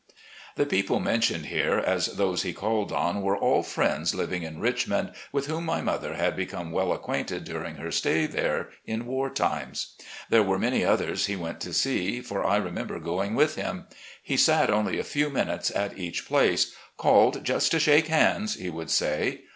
The people mentioned here as those he called on wore all friends living in Richmond, with whom my mother had become well acquainted during her stay there, in war times. There were many others he went to see, for I remember going with him. He sat only a few minutes at each place — "called just to shake hands," he would say.